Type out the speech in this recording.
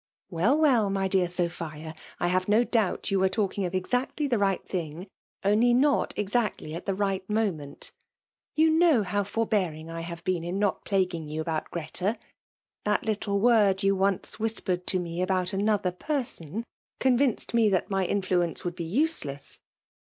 Wdl, welL my dear Sophia^ I have no doabt yoa were talldng of ezacily the right; thing, only not exactly at the right moment You know how forhearing I have been in not plaguing you about Greta; — ^that little word you onoe whispered to me about another per* son> ccH^vinced ma that my influence would be useless.